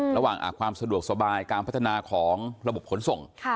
ระหว่างความสะดวกสบายการพัฒนาของระบบขนส่ง